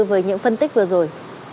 với những phân tích vừa rồi